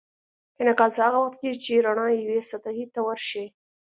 انعکاس هغه وخت کېږي چې رڼا یوې سطحې ته ورشي.